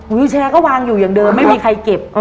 วิวแชร์ก็วางอยู่อย่างเดิมไม่มีใครเก็บ